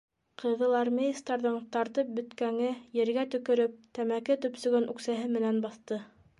Ҡыҙыл армеецтарҙың тартып бөткәңе ергә төкөрөп, тәмәке төпсөгөн үксәһе менән баҫты.